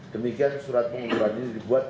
demikian surat pengunduran ini dibuat